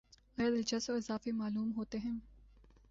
غیر دلچسپ اور اضافی معلوم ہوتے ہیں